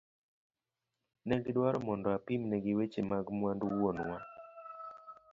Negi dwaro mondo apimne gi weche mag mwandu wuonwa.